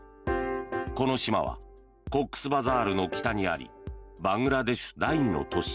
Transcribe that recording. この島はコックスバザールの北にありバングラデシュ第２の都市